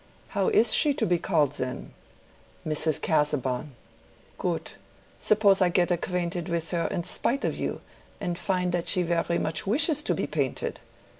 "How is she to be called then?" "Mrs. Casaubon." "Good. Suppose I get acquainted with her in spite of you, and find that she very much wishes to be painted?"